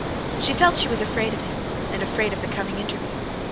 She felt she was afraid of him, and afraid of the coming interview.